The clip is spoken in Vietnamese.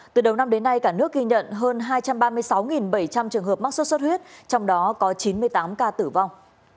từ đầu năm đến nay cả nước ghi nhận hơn hai trăm ba mươi sáu bảy trăm linh trường hợp mắc sốt xuất huyết trong đó có chín mươi tám ca tử vong